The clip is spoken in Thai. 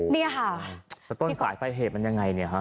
นี่ค่ะต้นสายปลายเหตุมันยังไงเนี้ยฮะ